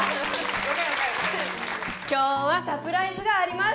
今日はサプライズがあります。